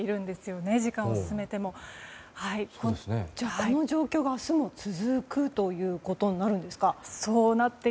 この状況が明日も続くということになるんですか？